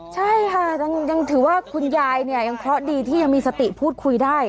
ใช่ค่ะยังถือว่าคุณยายเนี่ยยังเคราะห์ดีที่ยังมีสติพูดคุยได้